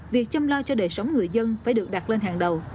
việc chăm lo cho đời sống người dân phải được đặt lên hàng đầu